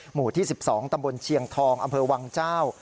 หมู่ที่๑๒ตำบลเชียงทองอำเภอวังเจ้า